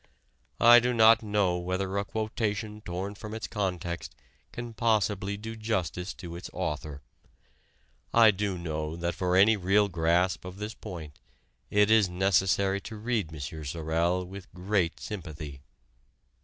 I do not know whether a quotation torn from its context can possibly do justice to its author. I do know that for any real grasp of this point it is necessary to read M. Sorel with great sympathy.